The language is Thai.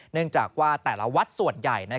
เนื่องจากว่าแต่ละวัดส่วนใหญ่